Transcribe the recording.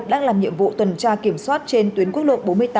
đang làm nhiệm vụ tuần tra kiểm soát trên tuyến quốc lộ bốn mươi tám